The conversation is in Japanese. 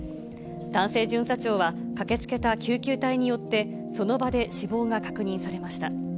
男性巡査長は、駆けつけた救急隊によって、その場で死亡が確認されました。